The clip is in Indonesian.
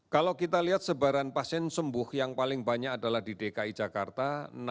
kalau kita lihat sebaran pasien sembuh yang paling banyak adalah di dki jakarta enam ratus tiga puluh dua